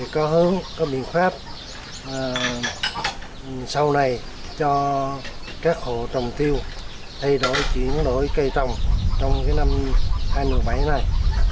chúng có biện pháp sau này cho các hồ trồng tiêu thay đổi chuyển đổi cây trồng trong cái năm hai nghìn một mươi bảy này